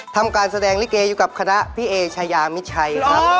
ทำการแสดงลิเกยุคณะพีมกับพีไอ